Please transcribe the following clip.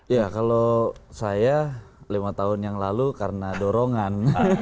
ya kalau saya lima tahun yang lalu karena dorongan